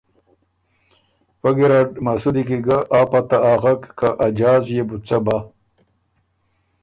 پۀ ګېرډ مسُودی کی ګۀ ا پته اغک که ا جاز يې بُو څۀ بۀ۔